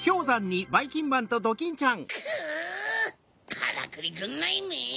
からくりぐんないめ！